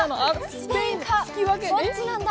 どっちなんだ？